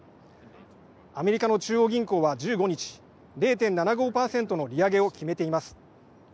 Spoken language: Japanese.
アメリカの中央銀行は１５日０．７５％の利上げを決めています。